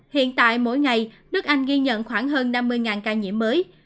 hiện tại mỗi ngày nước anh ghi nhận khoảng hơn năm mươi ca nhiễm mới